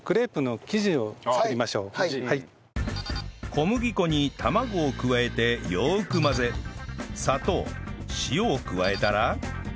小麦粉に卵を加えてよく混ぜ砂糖塩を加えたら